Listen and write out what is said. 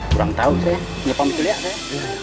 kurang tau saya nyepam itu liat saya